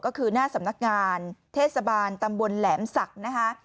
ก็คือหน้าสำนักงานเทศบาลตำบลแหลมศักดิ์นะคะ